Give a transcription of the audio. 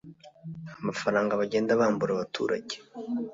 amafaranga bagenda bambura abaturage